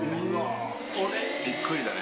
びっくりだね。